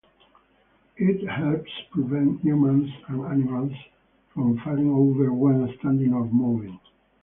It helps prevent humans and animals from falling over when standing or moving.